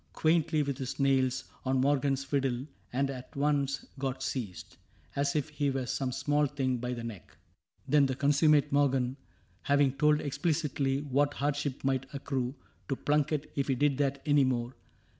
— quaintly, with his nails, — On Morgan's fiddle, and at once got seized, As if he were some small thing, by the neck. Then the consummate Morgan, having told Explicitly what hardship might accrue To Plunket if he did that any more.